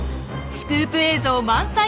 スクープ映像満載！